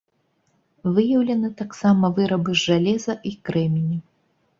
Выяўлены таксама вырабы з жалеза і крэменю.